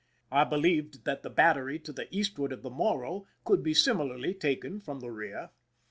I believed that the battery to the eastward of the Morro could be similarly taken from the rear.